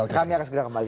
kami akan segera kembali